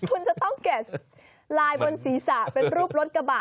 คุณจะต้องแกะลายบนศีรษะเป็นรูปรถกระบะ